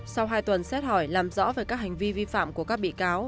sau hai tuần xét hỏi làm rõ về các hành vi vi phạm của các bị cáo